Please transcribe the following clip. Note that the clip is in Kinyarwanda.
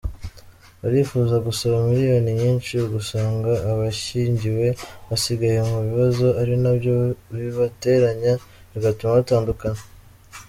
Barifuza gusaba Miliyoni nyinshi, ugasanga abashyingiwe basigaye mu bibazo ari nabyo bibateranya bigatuma batandukana.